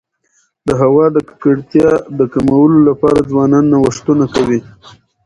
د هوا د ککړتیا د کمولو لپاره ځوانان نوښتونه کوي.